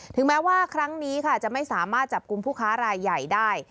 ถึงแม้ว่าครั้งนี้ค่ะจะไม่สามารถจับกลุ่มผู้ค้ารายใหญ่ได้